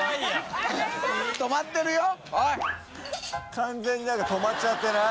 完全に何か止まっちゃってない？